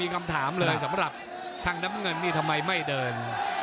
มีคำถามเลยแบบทางดำเงินทำไมไม่เดิน